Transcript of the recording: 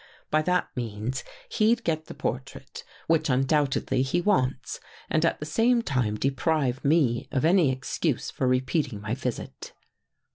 By that means, he'd get the portrait, which undoubtedly he 11 153 THE GHOST GIRL wants, and at the same time, deprive me of any excuse for repeating my visit.